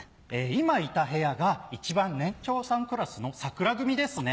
今いた部屋が一番年長さんクラスのさくら組ですね。